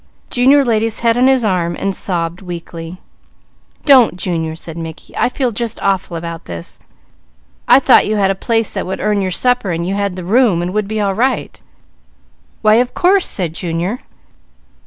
Junior laid his head on his arm and sobbed weakly. "Don't Junior," said Mickey. "I feel just awful about this. I thought you had a place that would earn your supper, and you had the room, and would be all right." "Why of course!" said Junior.